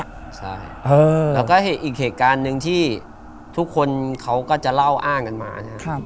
ใช่แล้วก็อีกเหตุการณ์หนึ่งที่ทุกคนเขาก็จะเล่าอ้างกันมานะครับ